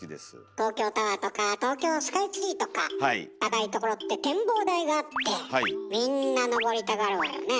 東京タワーとか東京スカイツリーとか高いところって展望台があってみんなのぼりたがるわよねえ。